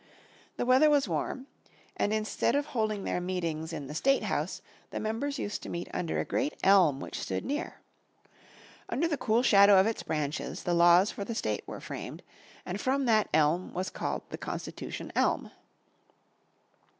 The weather was warm, and instead of holding their meetings in the State House the members used to meet under a great elm which stood near. Under the cool shadow of its branches the laws for the state were framed, and from that the elm was called the Constitution Elm.